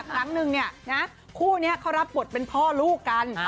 ครั้งนึงคู่นี้เขารับบทเป็นพ่อลูกกัน